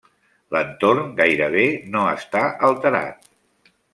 L'entorn gairebé no està alterat.